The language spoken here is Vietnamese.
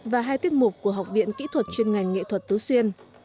và hai tiết mục của học viện kỹ thuật chuyên ngành nghệ thuật tứ xuyên